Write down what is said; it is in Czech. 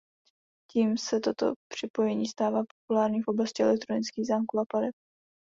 Tím se toto připojení stává populárním v oblasti elektronických zámků a plateb.